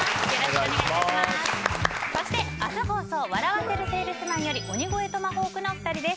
そして、明日放送「笑わせるセールスマン」より鬼越トマホークのお二人です。